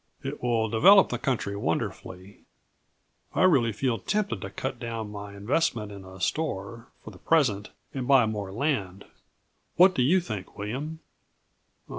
It will develop the country wonderfully. I really feel tempted to cut down my investment in a store for the present, and buy more land. What do you think, William?"